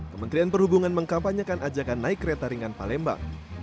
kementerian perhubungan mengkampanyekan ajakan naik kereta ringan palembang